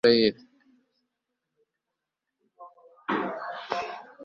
kubera ayo mahano bakoreye muri israheli